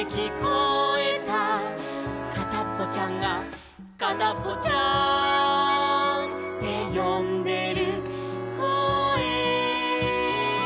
「かたっぽちゃんがかたっぽちゃーんってよんでるこえ」